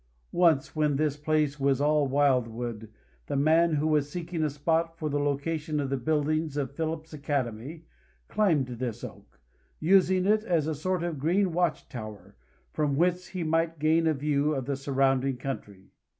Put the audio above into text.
Once, when this place was all wildwood, the man who was seeking a spot for the location of the buildings of Phillips Academy climbed this oak, using it as a sort of green watchtower, from whence he might gain a view of the surrounding country.